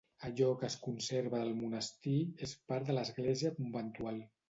Allò que es conserva del monestir és part de l'església conventual.